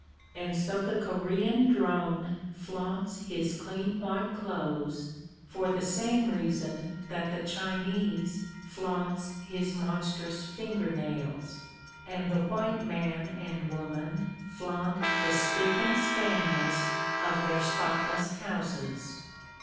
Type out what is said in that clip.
And so the Korean drone flaunts his clean white clothes, for the same reason that the Chinese flaunts his monstrous finger nails, and the white man and woman flaunt the spick and spanness of their spotless houses.